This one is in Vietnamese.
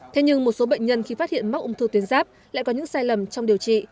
thế nhưng một số bệnh nhân khi phát hiện mắc ung thư tuyến giáp lại có những sai lầm trong điều trị